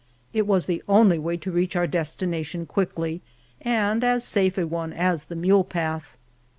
It was the only way to reach our destination quickly, and as safe a one as the mule path.